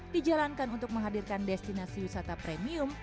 dijalankan untuk menghadirkan destinasi wisata premium